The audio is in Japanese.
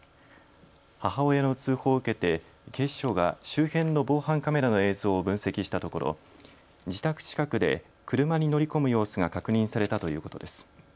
母親の通報を受けて警視庁が周辺の防犯カメラの映像を分析したところ自宅近くで車に乗り込む様子が確認されたということです。